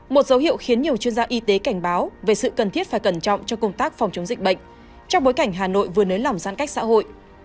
một dấu hiệu khiến nhiều chuyên gia y tế cảnh báo về sự cần thiết phải cẩn trọng cho công tác phòng chống dịch bệnh trong bối cảnh hà nội vừa nới lỏng giãn cách xã hội